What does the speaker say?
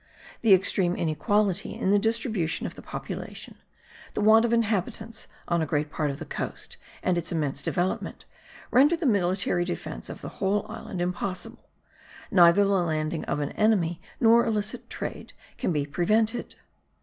The extreme inequality in the distribution of the population, the want of inhabitants on a great part of the coast, and its immense development, render the military defence of the whole island impossible: neither the landing of an enemy nor illicit trade can be prevented.